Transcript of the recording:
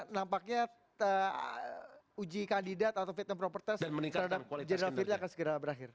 nampaknya uji kandidat atau fit and proper test terhadap general fitri akan segera berakhir